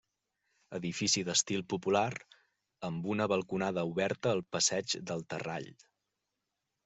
Edifici d'estil popular, amb una balconada oberta al passeig del Terrall.